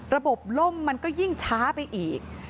ระบบล่มมันก็ยิ่งช้าไปอีก